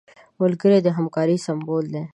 ملګری د همکارۍ سمبول دی